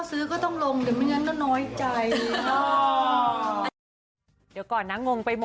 เดี๋ยวรอดูพี่โร่ไอซีไปค่ะวันใส่